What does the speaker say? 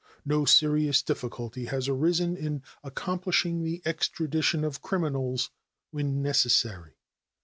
No serious difficulty has arisen in accomplishing the extradition of criminals when necessary.